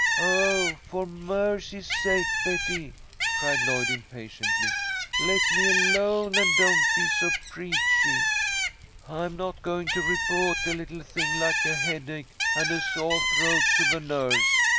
"Oh, for mercy's sake, Betty," cried Lloyd, impatiently, "let me alone and don't be so preachy. I'm not going to repoa't a little thing like a headache and a soah throat to the nurse.